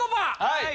はい。